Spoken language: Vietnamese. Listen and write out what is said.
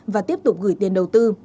và tiếp tục gửi tiền đầu tư